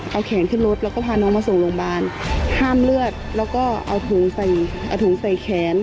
เอาแขนขึ้นรถแล้วก็พาน้องมาส่งโรงพยาบาลห้ามเลือดแล้วก็เอาถุงใส่เอาถุงใส่แขน